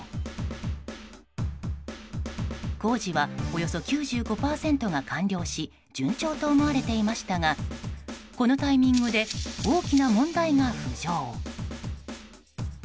工事は、およそ９５％が完了し順調と思われていましたがこのタイミングで大きな問題が浮上。